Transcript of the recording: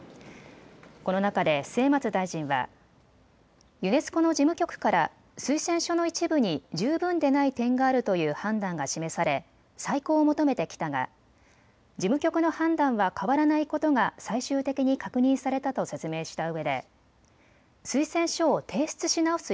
この中で末松大臣はユネスコの事務局から推薦書の一部に十分でない点があるという判断が示され再考を求めてきたが事務局の判断は変わらないことが最終的に確認されたと説明したうえで推薦書を提出し直す